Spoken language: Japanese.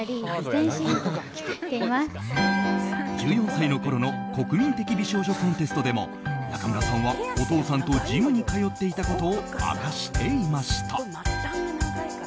１４歳のころの国民的美少女コンテストでも中村さんはお父さんとジムに通っていたことを明かしていました。